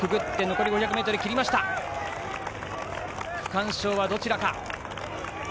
区間賞はどちらか。